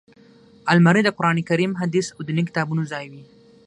الماري د قران کریم، حدیث او ديني کتابونو ځای وي